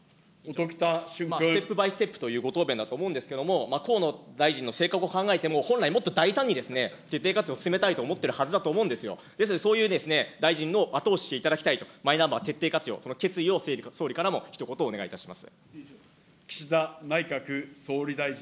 ステップバイステップというご答弁だと思うんですけど、河野大臣の性格を考えても、本来もっと大胆に徹底活用進めたいと思っているはずなんですよ、ですのでそういう大臣の後押ししていただきたいと、マイナンバー徹底活用、その決意を総理からもひと言お願いいたします。